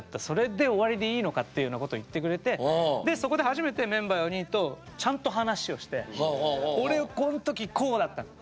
それで終わりでいいのか？」っていうようなことを言ってくれてそこで初めてメンバー４人とちゃんと話をして「俺こん時こうだった」。